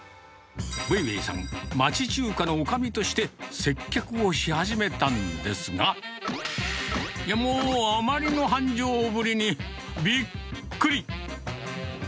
ウェイウェイさん、町中華のおかみとして、接客をし始めたんですが、もう、あまりの繁盛ぶりにびっくり！